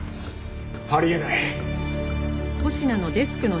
あり得ない！